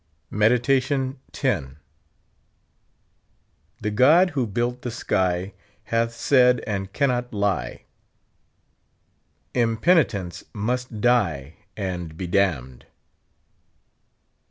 Meditation X. The Cod who built the sky. Hath said, and cannot lie, '• lrapenit«ncf must die And be damned."